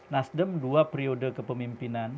nasdem dua periode kepemimpinan